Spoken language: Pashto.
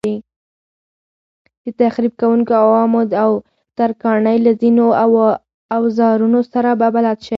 د تخریب کوونکو عواملو او ترکاڼۍ له ځینو اوزارونو سره به بلد شئ.